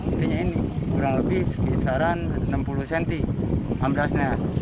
intinya ini kurang lebih sekitaran enam puluh cm amblasnya